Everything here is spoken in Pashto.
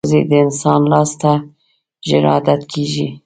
وزې د انسان لاس ته ژر عادت کېږي